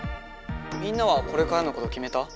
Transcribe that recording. みんなはこれからのこときめた？